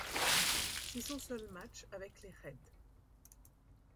C'est son seul match avec les Reds.